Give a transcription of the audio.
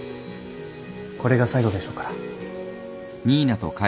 これが最後でしょうから。